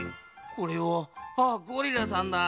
これはあっゴリラさんだ。